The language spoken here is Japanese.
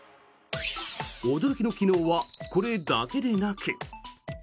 驚きの機能はこれだけでなく。